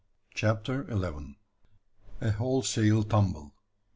CHAPTER ELEVEN. A WHOLESALE TUMBLE.